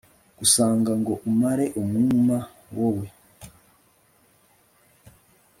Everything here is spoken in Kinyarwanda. ngusanga ngo umare umwuma, wowe